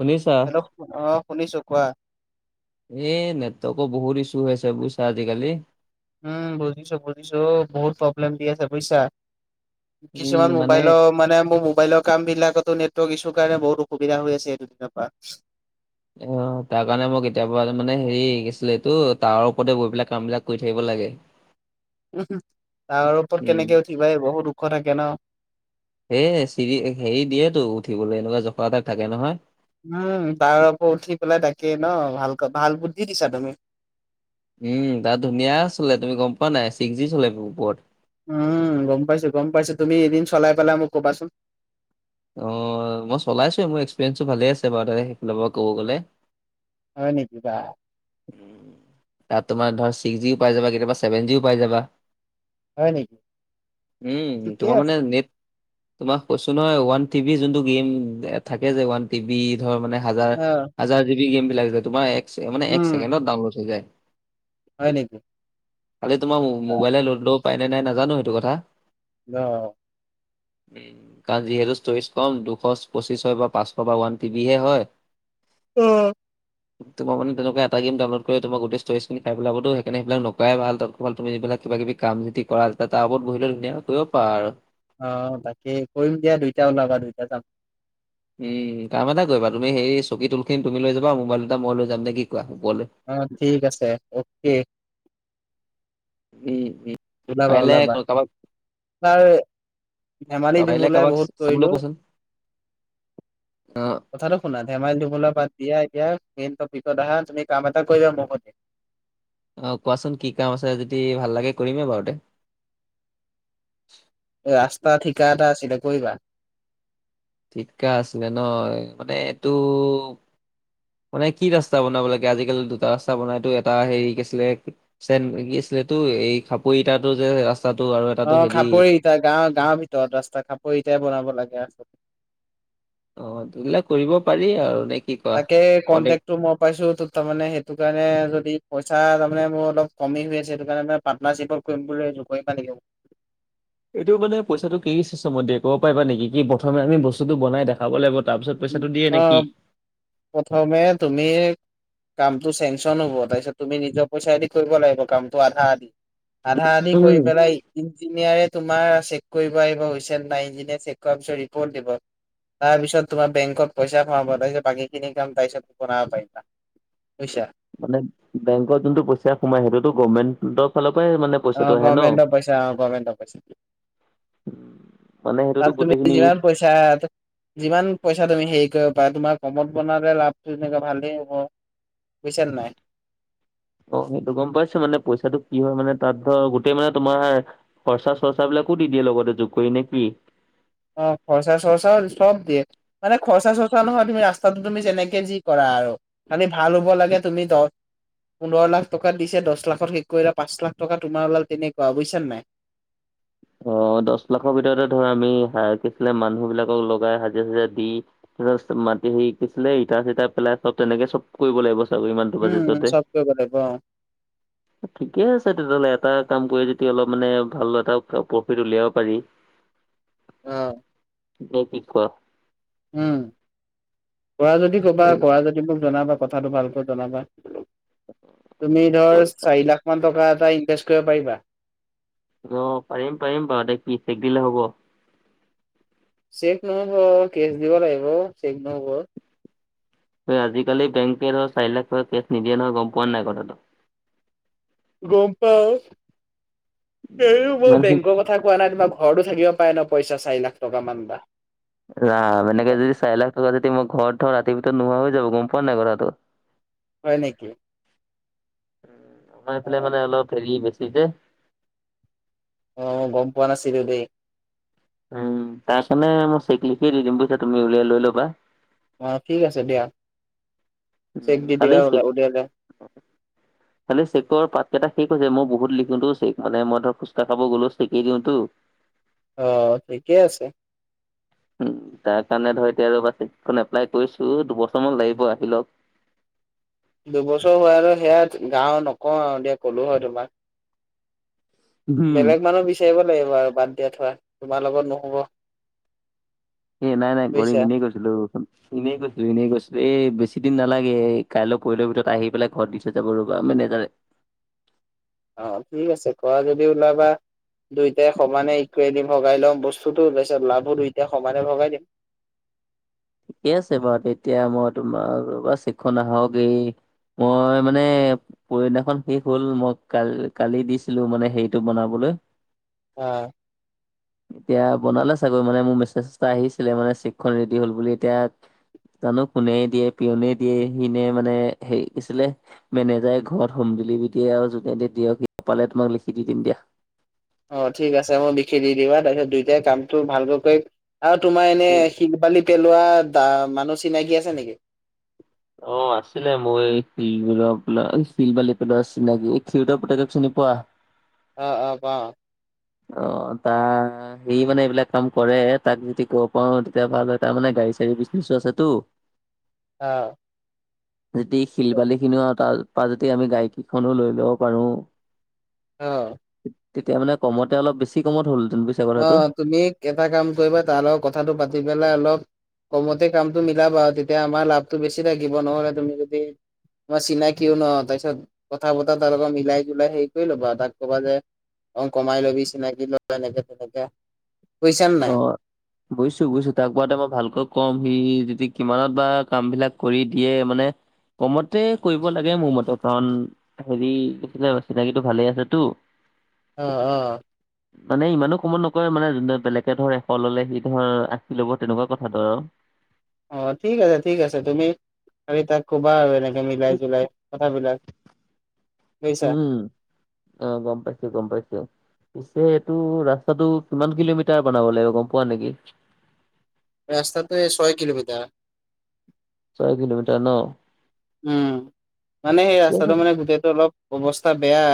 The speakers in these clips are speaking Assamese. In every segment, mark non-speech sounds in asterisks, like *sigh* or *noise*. শুনিছা হেল্ল' আহ শুনিছো কোৱা। এ নেটৱৰ্কৰ বহুত ইছ্যু আছে বুজিছা আজিকালি। উম বুজিছো বুজিছো অও বহুত প্ৰব্লেম দি আছে বুজিছা। উম কিছুমান মানে মোবাইলৰ মানে মোৰ মোবাইলৰ। কাম বিলাকতো নেটৱৰ্ক ইছ্যু কাৰণে বহুত অসুবিধা হৈ আছে এই দুদিনৰ পৰা। অ তাৰ কাৰণে মোক কেতিয়াবা মানে হেৰি গৈছিলে এইটো তাৱাৰ ওপৰতে গৈ পেলাই কাম বিলাক কৰি থাকিব লাগে। তাৱাৰ ওপৰত উম কেনেকে উঠিবা এই বহুত ওখ থাকে ন এ চিৰি হেৰি দিয়েতো উঠিবলে এনেকুৱা জখা তাত থাকে নহয় উম তাৱাৰ ওপৰত উঠি পেলাই তাকেই ন ভালক ভাল বুদ্ধি দিছা তুমি উম তাত ধুনীয়া চলে তুমি গম পোৱা নাই ছিক্স জি চলে ওপৰত। উম গম পাইছো গম পাইছো তুমি এদিন চলাই পেলাই মোক কবাচোন। অ মই চলাইছোৱেই মোৰ এক্সপিৰিয়েঞ্চটো ভালে আছে বাৰু সেইফালৰ পৰা ক'ব গ'লে। হয় নেকিবা উ তাত তোমাৰ ধৰা ছিক্স জিও পাই যাবা কেতিয়াবা ছেভেন জিও পাই যাবা হয় নেকি উম ঠিকে তোমাৰ আছে মানে নেট তোমাক কৈছো নহয় ওৱান টিভি যোনটো গেম থাকে যে ওৱান টিবি ধৰ মানে হাজাৰ অ হাজাৰ জিবি গেম বিলাক তোমাৰ এক চেকে মানে এক উম ছেকেণ্ডত ডাউনলোড হৈ যায় হয় নেকি খালি তোমাৰ অ মোবাইলে লোড পায়নে নাই নাজানো সেইটো কথা ন *unintelligible* উম কাৰণ যিহেতু ষ্টৰেজ কম দুশ পচিশ হয় বা পাঁচশ বা ওৱান টি বি হে হয় অ তোমাৰ মানে তেনেকোৱাত এটা গেম ডাউনলোড কৰি তোমাৰ ষ্টৰিচখিনি খাই পেলাবটো সেইকাৰণে সেইবিলাক নকৰাই তাতকৈ ভাল তুমি যিবিলাক কিবা কিব কাম যদি কৰা ত তাৰ ওপত বহিলে ধুনীয়াকৈ কৰিব পাৰা আৰু অ বাকি কৰিম দিয়া দুইটাই ওলাবা দুইটা যাম উম কাম এটা কৰিবা তুমি সেই চকী তুলখিন তুমি লৈ যাবা মোবাইল দুটা মই লৈ যাম নে কি কোৱা ওপৰলে অ ঠিক আছে অকে উম উম ওলাবা পাৰিলে ওলাবা কাৰোবাক তাৰ ধেমালি পাৰিলে ধুমোলাই কাৰোবাক বহুত কৰিলো। অহ কথাটো শুনা ধেমালি ধূমোলা বাত দিয়া এতিয়া মেইন টপিকত আহা তুমি কাম এটা কৰিবা মো সৈতে অ কোৱাচোন কি কাম আছে যদি ভাল লাগে কৰিমেই বাওঁ দে এ ৰাস্তা ঠিকা এটা আছিলে কৰিবা ঠিকা আছিলে নহ মানে এইটো মানে কি ৰাস্তা বনাব লাগে আজিকালি দুটা ৰাস্তা বনাইটো এটা হেৰি কি আছিলে চে কি আছিলে এই খাপৈ ইটাটো যে ৰা স্তাটো আৰু এট অ খাপৰিইটা গাৱ গাঁৱৰ ভিতৰত ৰাস্তা খাপৰি ইটাই বনাব লাগে ৰাস্তাটো অ সেইবিলাক কৰিব পাৰি আৰু- কি কোৱা তাকে কন্টেক টো মই পাইছো ত তাৰমানে সেইটো কাৰণে যদি পইচা তাৰমানে মোৰ অলপ কমি হৈ আছে সেইটো কাৰণে মানে পাৰ্টনাৰশ্বিপত কৰিম বুলি ভাবিছোঁ কৰিবা নেকি। এইটো মানে পইচাটো কি চিষ্টমত দিয়ে ক'ব পাৰিবা নেকি কি প্ৰথমে আমি বস্তুটো বনাই দেখাব লাগিব তাৰপিছত- পইচাটো দিয়ে নে কি? অহ, প্ৰথমে তুমি- কামটো চেংচন হ'ব তাৰপিছত তুমি নিজৰ পইচাই দি কৰিব লাগিব কামটো আধা আধি - আধা আধি উম কৈ পেলাই। ইঞ্জিনিয়াৰ তোমাৰ চেক কৰিব আহিব হৈছে নে নাই ইঞ্জিনিয়া চেক কৰা পাছত ৰিপৰ্ট দিব। তাৰপিছত- তোমাৰ বেংকত পইচা ভৰাব তাৰ পিছত বাকী খিনি কাম তাৰ পিছত বনাব পাৰিবা বুইছা। মানে বেংক যোনটো পইচা সোমাই সেইটোতো গভৰ্মেন্টৰ ফালৰ পৰাই মানে- অ, পইচাটো আহে ন। গমেণ্ট পইচা- অ, গমেট পইচা। মানে সেইটোতো তাত তুমি গোটেইখিনি ইউজ যিমান পইচা আয়ত যিমান পইচা তুমি হেৰি কৰিব পাৰা তোমাৰ কমত বনতে লাভটো তেনেকে ভালেই হ'ব। বুইছা নে নাই? অ, সেইটো গম পাইছো মানে পইচাটো কি হয় মানে তাত ধৰ গোটেই মানে তোমাৰ খৰচা-চৰ্চা বিলাকো দি দিয়ে লগতে যোগ কৰি নে কি? অ খৰচা চৰ্চা চব দিয়ে। মানে খৰচা চৰ্চা নহয় তুমি ৰাস্তাটো তুমি যেনেকে যি কৰা আৰু- খালি ভাল হব লাগে তুমি দ- পোন্ধৰ লাখ টকাত দিছে দহ লাখত শেষ কৰিলা পাঁচ লাখ টকা তোমাৰ ওলাল তেনেকা‌ বুইছা নাই। অ, দছ লাখৰ ভিতৰতে ধৰ আমি হায়াৰ কিছলে মানুহ বিলাকক লগাই হাজিৰা- চাজিৰা দি ত' জাষ্ট মাটি হেৰিকিছলে ইটা চিটা পেলাই চব তেনেকে চব কৰিব লাগিব। চাগৈ ইমানটো উম, বাজেটতে। চব কৰিব লাগিব অহ। ঠিকে আছে তেতিয়া হ'লে এটা কাম কৰি যদি অলপ মানে ভাল এটা প্ৰফিট উলিয়াব পাৰি। *inaudible* অ', নে কি কোৱা? উম, কৰা যদি কবা কোৱা যদি মোক জনাবা কথাটো ভালকৈ জনাবা। তুমি ধৰ কোৱা? চাৰি লাখ মান টকা এটা ইনভেষ্ট কৰিব পাৰিবা? অ, পাৰিম -পাৰিম বাৰুতে কি চেক দিলে হ'ব? চেক ন'হব কেচ দিব লাগিব চেক ন'হব। আজিকালি বেংকে ধৰ চাৰি লাখ টকা কেছ নিদিয়ে নহয় গম পোৱানে নাই কথাটো? গম পাও এই মই ইমানখিনি বেংকৰ কথা কোৱা নাই তোমাৰ ঘৰতো থাকিব পাৰে ন' পইচ চাৰি লাখ টকা মান বা। ৰাম এনেকে যদি চাৰি লাখ টকা যদি মই ঘৰত থওঁ ৰাতিৰ ভিতৰত নোহোৱা হৈ যাব গম পোৱা নাই কথাটো? *inaudible* হয় নেকি? উম, আমাৰ অ ইফালে মানে অলপ হেৰি বেছি যে। অ, গম পোৱা নাছিলো দেই। উম, তাছ মানে মই চেক লিখিয়ে দি দিম বুইছা তুমি উলিয়াই লৈ ল'বা। অ, ঠিক আছে দিয়া। উম, চেক দি খালি দিবা চেক উলিয়ালে খালি চেকৰ পাত কেইটা শেষ হৈছে মই বহুত লিখো টো চেক মানে মই ধৰ ফুচকা খাব গলোঁ চেকে দিওঁতো। অ, ঠিকে আছে। উম, তাৰ কাৰণে ধৰ এতিয়া ৰবা চেকখন এপ্লাই কৰিছো দুবছৰ মান লাগিব আহি ল'ক। দুবছৰ হোৱা আৰু সেয়া গাওঁ নকওঁ আৰু দিয়া ক'লো হয় তোমাক লওক। বেলেগ মানুহ বিচাৰিব লাগিব আৰু বাদ দিয়া থোৱা তোমাৰ লগত নহব। এ নাই -নাই গৰি বুজিছা। পিনহী গৈছিলোঁ ৰচুন। এনেই কৈছলোঁ- এনেই কৈছলোঁ এ বেছি দিন নালাগে কাইলৈ পৰহিলৈ ভিতৰত আহি পেলাই ঘৰত দি থৈ যাব ৰবা মেনেজাৰে। অ, ঠিক আছে কৰা যদি ওলাবা দুইটাই উম, সমানে ইকুৱেলি ভগাই লম বচ বস্তুটো তাইছত লাভো দুইটাই সমানে ভগাই দিম। ঠিকে আছে বাৰু তেতিয়া মই তোমাৰ ৰবা চেকখন আহক এই মই মানে পৰহী দিনাখন শেষ হ'ল মই কাল- কালি দিছিলো মানে হেৰিটো বনাবলৈ। আহ, এতিয়া বনালে চাগৈ মানে মোৰ মেছেজ এটা আহিছিলে মানে চেকখন ৰেডি হল বুলি এতিয়া। জানো কোনে দিয়ে পিয়নে দিয়ে সিনে মানে হেৰি কিছিলে মেনেজাৰে ঘৰত হোম ডেলিভাৰী দিয়ে আৰু যোনে দিয়ে দিয়ক সিটো পালে তোমাক লিখি দি দিম দিয়া। অ, ঠিক আছে মোক লিখি দি দিবা তাৰপিছত দুইটাই কামটো ভালকৈ কৰিম আৰু তোমাৰ এনে উম শিল বালি পেলোৱা দা মানুহ চিনাকি আছে নেকি? অ, আছিলে মই এই শিলবোৰৰ পেলা শিল বালি পেলোৱা চিনাকি এ খিউদৰ পুতেকক চিনি পোৱা? অ', অ', কোৱা? অ, তাৰ সে মানে এইবিলাক কাম কৰে তাক যদি কব পাও তেতিয়া ভাল হয় তাৰ মানে গাড়ী চাড়ী বিজনেছো আছেতো। *inaudible* অ', যদি শিল বালি খিনিও আৰু তাৰপা যদি আমি গাইকীখনো লৈ ল'ব পাৰো। *inaudible* অঁ তেতিয়া মানে কমতে অলপ বেছি কমত হ'ল। অ তুমি এটা কাম কৰিবা তাৰ লগত কথাটো পাতি পেলাই অলপ। কমতে কামটো মিলাবা তেতিয়া আমাৰ লাভটো বেছি থাকিব নহ'লে তুমি যদি- ই চিনাকিয়ও ন তাৰপিছত কথা বতৰা তাৰ লগত মিলাই জলাই হেৰি কৰি ল'বা আৰু তাক কবা যে- অ কমাই লবি চিনাকি লৰা এনেকে তেনেকে বুজিইছা নে অ নাই। বুজিছো বুজিছো তাক কোৱাতে মই ভালকৈ ক'ম সি যদি কিমানত বা কাম বিলাক কৰি দিয়ে, মানে- কমতে কৰিব লাগে মোৰ মতে কাৰণ- হেৰি কৈছিলে চিনাকিটো ভালে আছেতো। অঁ অঁ মানে ইমানো কমত নকৰে মানে যোনে বেলেগ- এতিয়া ধৰ এশ ললে, সি ধৰ আশি ল'ব তেনেকুৱা কথা ধৰ আৰু। অঁ ঠিক আছে ঠিক আছে তুমি খালি তাক কবা আৰু এনেকে মিলাই জলাই কথাবিলাক। বুজিছা অঁ গম পাইছো গম পাইছো। পিছে এইটো ৰাস্তাটো কিমান কিলোমিটাৰ বনাব লাগিব গম পোৱা নেকি। ৰাস্তাটো এই ছয় কিলোমিটাৰ। ছয় কিলোমিটাৰ ন? উম, মানে সেই ঠিকে আছে। ৰাস্তাটো মানে গোটেইটো অলপ অৱস্থা বেয়া।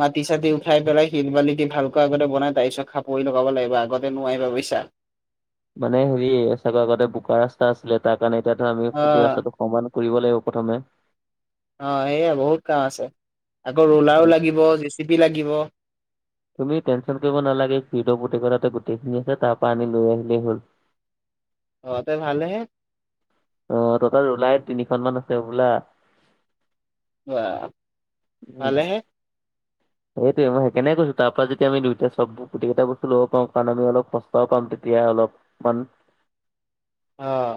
মাটি চাটি উঠাই পেলাই, শিল বালি দি ভালকৈ আগতে বনাই তাৰ পিছত খাপৰি লগাব লাগিব আগতে নোৱাৰিবা বুজিছা। মানে হেৰি চাগে আগতে বোকা ৰাস্তা আছিলে, তাৰ কাৰণে এতিয়া ধৰা আমি কুটি অ', ৰাস্তাটো, সমান কৰিব লাগিব প্ৰথমে। অঁ সেয়াই বহুত কাম আছে। আকৌ ৰোলাৰো লাগিব, জে চি পি লাগিব। তুমি টেনশ্যন কৰিব নালাগে, খিউত পুতেক তাতে গোটেইখিনি আছে তাৰ পৰা আনি লৈ আহিলেই হ'ল। অঁ তে ভালে হে। অঁ টটেল ৰোলাই তিনিখন মান আছে হবোলা। অঁ ভালে হে- সেইটোৱে, মই সেইকাৰণে কৈছো তাৰ পৰা যদি আমি দুইটা চবোৰ গোটেইটা বস্তু ল'ব পাৰো কাৰণ আমি অলপ সস্তাও পাম তেতিয়া অলপ। বন অঁ,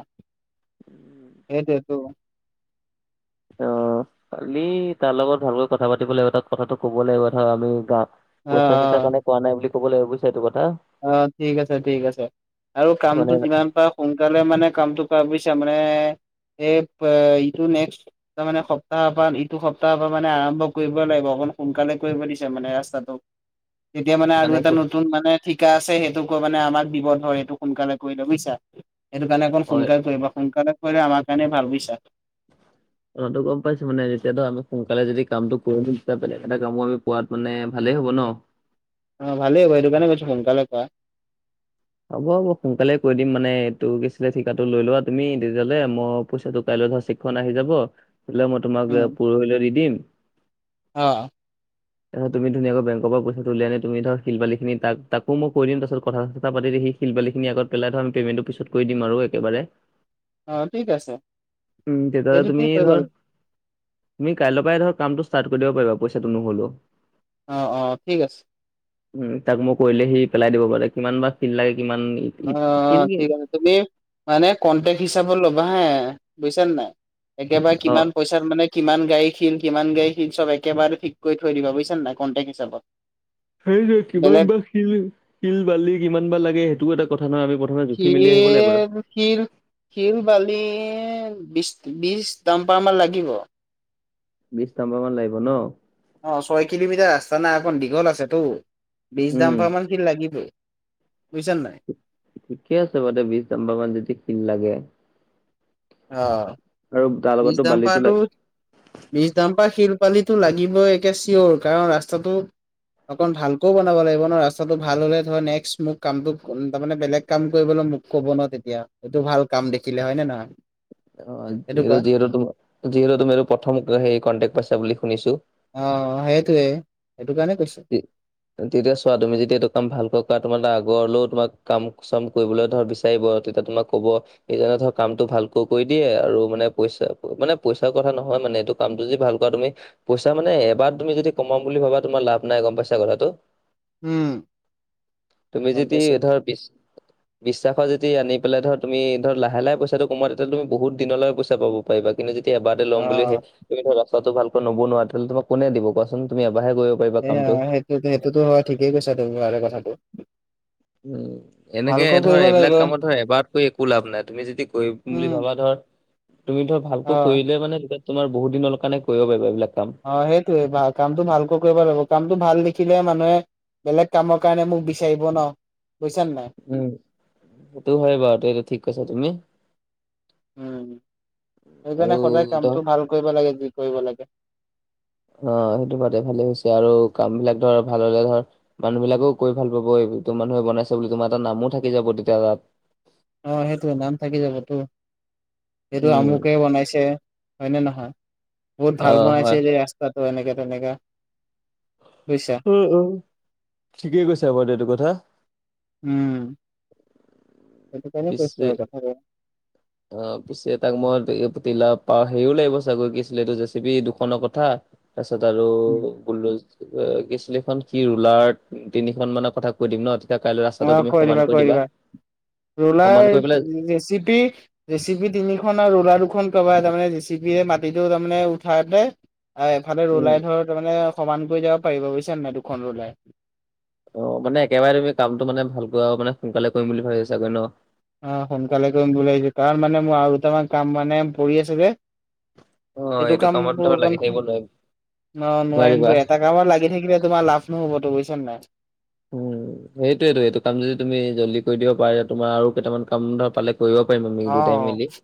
সেইটো তো অঁ, কালি তাৰ লগত ভালকৈ কথা পাতিব লাগিব কথাটো কব লাগিব ধৰা আমি গা- অ', পইচা চইচা অ', কাৰণে কোৱা নাই বুলি ক'ব লাগিব বুজিছ এইটো কথা। অ ঠিক আছে ঠিক আছে, আৰু মানে কামটো যিমান পাৰ- সোনকালে মানে কামটো কৰা বুজিছা, মানে এইটো নেক্স- তাৰ মানে সপ্তাহৰ পৰা ইটো সপ্তাহৰ পৰা মানে আৰম্ভ কৰিব লাগিব, অকণ সোনকালে কৰিব দিছে মানে ৰাস্তাটোক। তেতিয়া মানে আৰু এটা নতুন মানে- ঠিকা আছে, সেইটো কৈ মানে আমাক দিব হয় এইটো সোনকালে কৰিলে বুজিছা। সেইটো কাৰণে অকন হয় সোনকালে কৰিবা, সোনকালে কৰিলে আমাৰ কাৰণে ভাল বুজিছা। *inaudible* কথাটো গম পাইছো, মানে এতিয়াতো আমি সোনকালে যদি কামটো কৰো, তেতিয়া বেলেগ এটা কামো আমি পোৱাত মানে ভালেই হ'ব ন। অঁ ভালেই হ'ব, সেইটো কাৰণে কৈছো সোনকালে কোৱা। হ'ব হ'ব সোনকালে কৰি দিম মানে এইটো গৈছিলে ঠিকাটো লৈ লোৱা তুমি তেতিয়াহ'লে মই পইচাটো কাইলৈ চ - ফ আহি যাব, হলে মই তোমাক পৰহিলৈ দি দিম, অঁ। *inaudible* তাৰপিছত তুমি ধুনীয়াকৈ বেংকৰ পৰা পইচাটো উলিয়াই তুমি ধৰ শিল বালী ন তাকো মই কৈ দিম তাপাছত কথা প পাতি সি শিল বালিখিন আত পেলাই থ আমি পেমেণ্টটো পিত কৰি দিম আৰু একেবাৰে। অ' ঠিক আছে উম তেতিয়া সেইটো কি তুমি কৰিব ধৰ, লাগে তুমি কাইলৰ পৰাই ধৰ কামটো ষ্টাৰ্ট কৰি দিব পাৰিবা পইচাটো নহ'লেও। অ', অ', ঠিক আছে। উম, তাক মই কৰিলে সি পেলাই দিব পাৰে, কিমান বা শিল লাগে কিমান ই- অ, ই- শিল কি- ঠিক আছে। তুমি মানে কন্টেক্ট হিচাপত ল'বা হা, বুজিছানে নাই। একেবাৰে অ', কিমান পইচা মানে কিমান গাড়ী শিল, কিমান গাড়ী চব একেবাৰে ঠিক কৰি থৈ দিবা বুজিছা নাই কণ্টেক হিচাপত। সেইটো কিবা বেলেগ বা শিল - শিল বালি কিমান বা লাগে সেইটোকো এটা কথা নহয়, আমি প্ৰথমে জুখি মেলি আহিব লাগিব শিল শিল - শিল বালি বি বিছ দাম্পাৰমান লাগিব। বিশ ডাম্পাৰ মান লাগিব ন? অ, ছয় কিলোমিটাৰ ৰাস্তা নাই অকণ দীঘল আছেতো, বিশ উম, ডাম্পাৰ মান শিল লাগিবই, বুজিছা নাই। ঠিকে আছে বাৰু বিশ ডাম্পাৰ মান যদি শিল লাগে। অ আৰু তাৰ বিশ লগতো বালিতো দাম্পাৰটো লাগে। বিশ ডাম্পা শিল বালিটো লাগিবই একে চিয়ৰ, কাৰণ ৰাস্তাটো অকন ভালকৈও বনাব লাগিব ন, ৰাস্তাটো ভাল হলে ধৰ নেক্স মোক কাম তাৰে বেলেগ কাম কৰিবলৈ মোক ক'ব ন তেতিয়া, এইটো ভাল কাম দেখিলে হয় নে নহয়। অ, সেইটো যি কোৱা যিহেতু তুম যিহেতু তুমি প্ৰথম স কনটেক্ট পাইছা বুলি শুনিছো। অ, সেইটোৱেই - সেইটো কাৰণে কৈছো। টি তেতিয়া চোৱা তুমি যেতিয়া এইটো কাম ভালকৈ কৰা তোমাৰ আগৰলৈও তোমাক কাম চাম কৰিবলৈ ধৰ বিচ তেতিয়া তোমাক কব এইজনে ধৰ কামটো ভালকৈ কৰি দিয়ে আৰু মানে পইচা মানে পইচাৰ কথা নহয় মানে এইটো কামটো যদি ভাল কৰা তুমি পইচা মানে এবাৰ তুমি যদি কমাম বুলি ভাবা তোমাৰ লাভ নাই গম পইচা কথাটো। উম তুমি গম যদি পাইছো ধৰ পিছ বিশ্বাসত যদি আনি পেলাই ধৰ তুমি ধৰ লাহে লাহে তুমি পইচাটো কমোৱা, তেতিয়া তুমি বহুদিনলৈ পইচা পাব। পাৰিবা, কিন্তু যেতিয়া এবাৰতে ল'ম বুলি অ সে ত ৰাস্তাটো ভালকৈ নবনোৱা, তেতিয়াহলে তোমাক কোনে দিব কোৱাচোন তুম এবাৰহে গৈ এইয়া সেইটো সেইটোতো হয় ঠিকেই কৈছা তুমি বাৰে কথাটো। উম, এনেকে ভালকৈ ধৰ কৰিব লাগিব এইবিলাক কামত ধৰ এবাৰত কৰি একো লাভ নাই, তুমি যদি কৰিম বুলি উম ভাবা ধৰ তুমি ধৰ অ ভালকৈ কৰিলে মানে তেতিয়া তোমাৰ বহুত দিনৰ কাৰণে কৰিব পাৰিবা এইবিলাক কাম। অ, সেইটোৱে কামটো ভালকৈ কৰিব লাগিব, কামটো ভাল দেখিলে মানুহে বেলেগ কামৰ কাৰণে মোক বিচাৰিব ন, বুজিছা নে নাই। উম, সেইটো হয় বাৰু তেটো ঠিক কছা তুমি। উম, আৰু সেইকাৰণে সদায় ধৰ কামটো ভাল কৰিব লাগে যি কৰিব লাগে। অ, সেইটো বাদে ভালেই হৈছে আৰু কাম বিলাক ধৰ ভাল হলে ধৰ মানুহ বিলাকেও কৈ ভাল পাব এই তোৰ মানুহে বনাইছে বুলি তোমাৰ এটা নামো থাকি যাব তেতিয়া তাত অ, সেইটোই নাম থাকি যাব তো এইটো উম আমুকে বনাইছে হয় নে নহয় বহুত অ ভাল বনাইছে হয় এই ৰাচ এনেকাে তেনেকা বুইছা। উম-উম ঠিকেই কৈছা বাৰ সেইটো কথা। উম, সেইটো কাৰণে পিছে কৈছো আৰু দেখা যাওক *unintelligible* অ, পিছে তাক মই তিলা পা হেৰিও লাগিব চাগৈ কি অছিলে এইটো জেচিপি দুখনৰ কথা। তাৰপাছত আৰু উম ব্লো কি আছিলে সেইখন কি ৰুলাৰ তিনিখন মানৰ কথা কৈ দিম ন। এতিয়া কাইলৈ ৰাস্তাটো তুমি সমান কৈ দিবা। সমান ৰোলাই, কৰি পেলাই জে চি পি ৰেচিপি তিনিখন আৰু ৰোলা দুখন কবা তাৰমানে ৰেচিপিৰে মাটিটো তাৰমানে উঠাওতে আ এফালে উম ৰুলাই ধৰ তাৰ মানে সমান কৰি যাব পাৰিব বুজিছা নাই দুখন ৰুলাই। অ, মানে একেবাৰে তুমি কামটো মানে ভালকৈ আৰু মানে সোনকালে কৰিম বুলি ভাবিছ চাগৈ ন। অ, সোনকালে কৰিম বুলি লিছো কাৰণ মানে মোৰ আৰু দুটামান কাম মানে পৰি আছে যে। অ এইটো এইটো কাম কামত ধৰ লাগি থাকিব *unintelligible* নোৱাৰি ন নোৱাৰিম নোৱাৰিবা তো, এটা কামত লাগি থাকিলে তোমাৰ লাভ নহবত বুইছা নাই? উম। সেইটয়েতো, এইটো কাম যদি তুমি জল্দি কৰি দিব পাৰা তোমাৰ আৰু কেইটামান কাম ধৰা পালে কৰিব পাৰি আমি দুটাই অ মিলি।